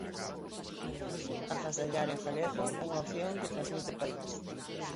Agasallar en galego unha opción que transmite país.